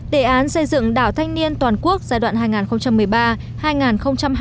đề án xây dựng đảo thanh niên toàn quốc giai đoạn hai nghìn một mươi ba hai nghìn hai mươi